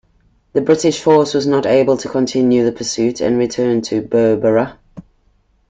The British force was not able to continue the pursuit, and returned to Berbera.